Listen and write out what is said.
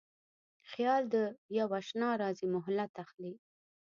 خیال د یواشنا راځی مهلت اخلي